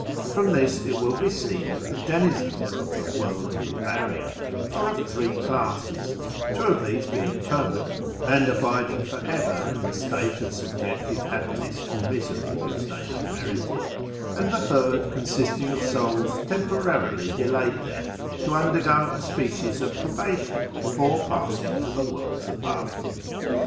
I'rom this it will be seen that the denizens of the " World of the Barrier " are of three classes, two of these being permanent, and abiding for ever in the state of subjective happiness or misery which they have merited, and the third consisting of souls temporarily delayed there to undergo a species of probation before passing to the worlds above.